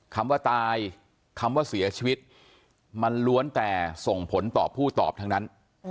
คำว่าตายคำว่าเสียชีวิตมันล้วนแต่ส่งผลต่อผู้ตอบทั้งนั้น